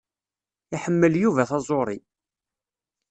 Iḥemmel Yuba taẓuṛi.